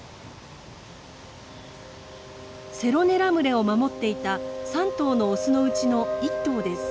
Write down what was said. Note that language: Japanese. セロネラ群れを守っていた３頭のオスのうちの１頭です。